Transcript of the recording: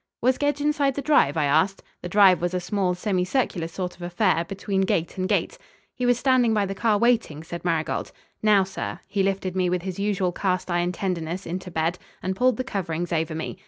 "Was Gedge inside the drive?" I asked. The drive was a small semicircular sort of affair, between gate and gate. "He was standing by the car waiting," said Marigold. "Now, sir." He lifted me with his usual cast iron tenderness into bed and pulled the coverings over me.